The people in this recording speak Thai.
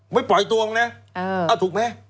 ไม่ปล่อยตัวมันนะ